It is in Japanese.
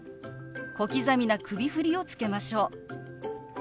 小刻みな首振りをつけましょう。